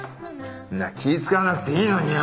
んな気ぃ遣わなくていいのによ。